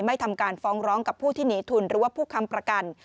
ทำการฟ้องร้องกับผู้ที่หนีทุนหรือว่าผู้ค้ำประกัน